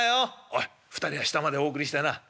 「おい２人は下までお送りしてな」。